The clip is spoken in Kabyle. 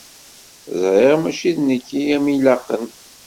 ẓriɣ mačči d nekk i am-ilaqen.